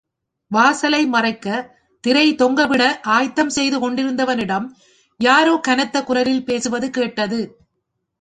வாசலை மறைக்கத் திரை தொங்கவிட ஆயத்தம் செய்து கொண்டிருந்தவனிடம் யாரோ கனத்த குரலில் பேசுவது கேட்டது.